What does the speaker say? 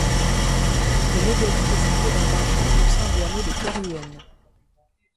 Le mégalithe est situé dans un champ au sein du hameau de Kerhuen.